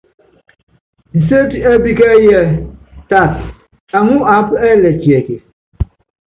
Nsétí ɛ́ɛ́pí kɛ́ɛ́yí ɛ́ɛ́: Taat aŋú aápa ɛɛlɛ tiɛkíɛ?